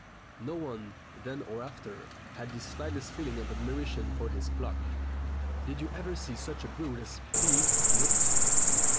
No one, then or after, had the slightest feeling of admiration for his pluck. "Did you ever see such a brute as P looked?"